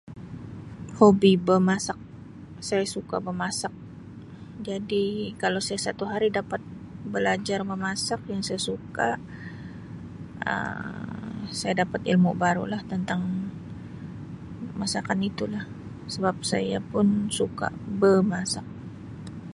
Hobi bemasak. Saya suka bemasak jadi kalau saya satu hari dapat belajar memasak yang saya suka Um saya dapat ilmu barulah tentang masakan itu sebab saya pun suka bemasak.